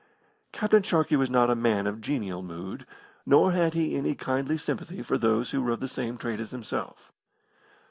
Captain Sharkey was not a man of a genial mood, nor had he any kindly sympathy for those who were of the same trade as himself.